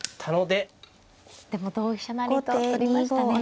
でも同飛車成と取りましたね。